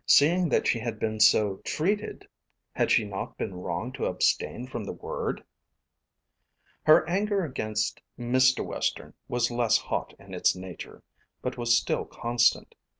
Seeing that she had been so treated had she not been wrong to abstain from the word? Her anger against Mr. Western was less hot in its nature but was still constant.